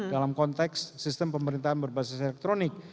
dalam konteks sistem pemerintahan berbasis elektronik